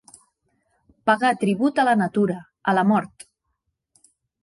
Pagar tribut a la natura, a la mort.